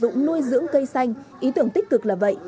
những sản phẩm nuôi dưỡng cây xanh ý tưởng tích cực là vậy